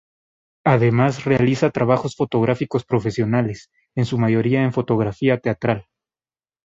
Además realiza trabajos fotográficos profesionales, en su mayoría en Fotografía Teatral.